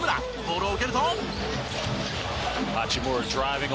ボールを受けると。